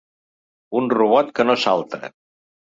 Un robot que no salta.